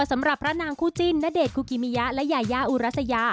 สำหรับพระนางคู่จิ้นณเดชนคุกิมิยะและยายาอุรัสยา